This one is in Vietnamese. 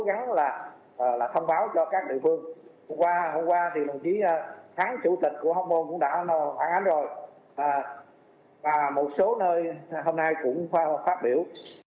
và một số nơi hôm nay cũng phát biểu